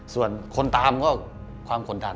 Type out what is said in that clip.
ส่วนคนตามก็ความกดดัน